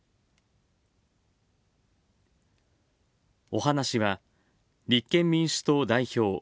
お話しは、立憲民主党代表